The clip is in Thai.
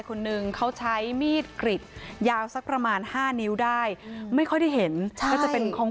คนนึงเขาใช้มีดกริดยาวสักประมาณ๕นิ้วได้ไม่ค่อยได้เห็นใช่ก็จะเป็นคง